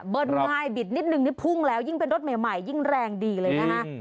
ง่ายบิดนิดนึงนี่พุ่งแล้วยิ่งเป็นรถใหม่ยิ่งแรงดีเลยนะฮะ